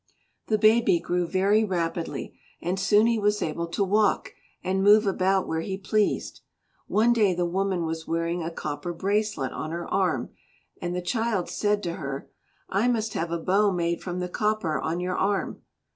The baby grew very rapidly, and soon he was able to walk and move about where he pleased. One day the woman was wearing a copper bracelet on her arm and the child said to her, "I must have a bow made from the copper on your arm."